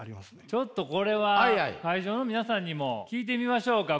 ちょっとこれは会場の皆さんにも聞いてみましょうか。